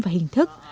và hình thức